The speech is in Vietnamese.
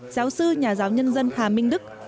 giáo sư nhà giáo nhân dân hà minh đức